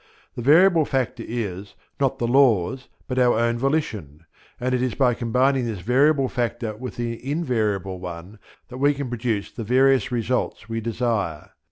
The variable factor is, not the law, but our own volition; and it is by combining this variable factor with the invariable one that we can produce the various results we desire.